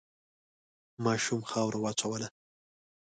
ماشوم خاوره وواچوله.